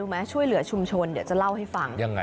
ดูมั้ยช่วยเหลือชุมชนเดี๋ยวจะเล่าให้ฟัง